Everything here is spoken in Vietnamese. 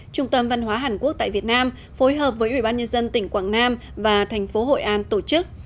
trung tâm văn hóa hàn quốc tại việt nam phối hợp với ủy ban nhân dân tỉnh quảng nam và thành phố hội an tổ chức